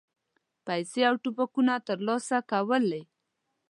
پیسې او توپکونه ترلاسه کولې.